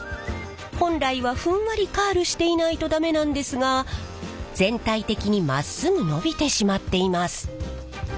本来はふんわりカールしていないとダメなんですが全体的にまっすぐのびてしまっています。